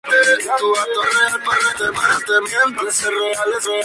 Es miembro del Colegio de Ingenieros de Chile.